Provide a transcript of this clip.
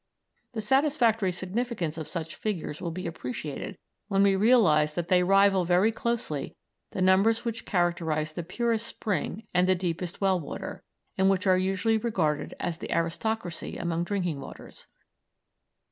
The satisfactory significance of such figures will be appreciated when we realise that they rival very closely the numbers which characterise the purest spring and the deepest well water, and which are usually regarded as the aristocracy among drinking waters.